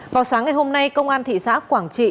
vào sáng ngày hôm nay công an thị xã quảng trị